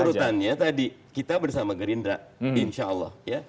urut urutannya tadi kita bersama gerindra insya allah ya